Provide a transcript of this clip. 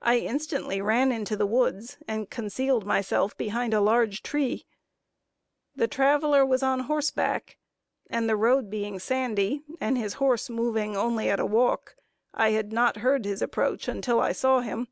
I instantly ran into the woods, and concealed myself behind a large tree. The traveler was on horseback, and the road being sandy, and his horse moving only at a walk, I had not heard his approach until I saw him.